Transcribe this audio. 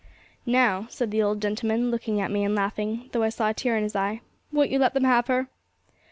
'Now,' said the old gentleman, looking at me, and laughing, though I saw a tear in his eye, 'won't you let them have her?'